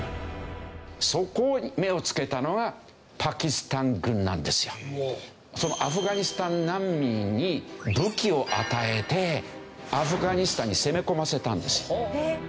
そこに目をつけたのがアフガニスタン難民に武器を与えてアフガニスタンに攻め込ませたんです。